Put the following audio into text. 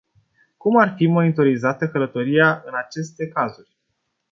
Cum ar fi monitorizată călătoria în aceste cazuri?